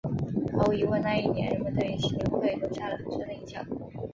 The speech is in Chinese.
毫无疑问那一年人们对协会留下了很深的印象。